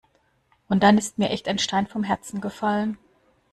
Und dann ist mir echt ein Stein vom Herzen gefallen.